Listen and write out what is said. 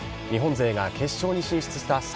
日本勢が決勝に進出した